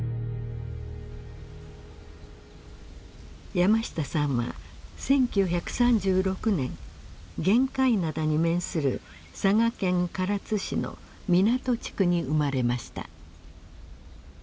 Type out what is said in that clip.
山下さんは１９３６年玄界灘に面する佐賀県唐津市の湊地区に生まれました。